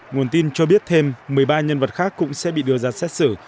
nguồn tin cho biết thêm một mươi ba nhân vật khác cũng sẽ bị đưa ra xét xử